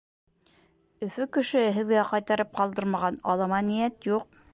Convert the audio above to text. Өфө кешеһе һеҙгә ҡайтарып ҡалдырмаған алама ниәт юҡ.